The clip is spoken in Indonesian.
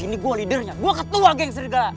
di sini gue lidernya gue ketua geng serigala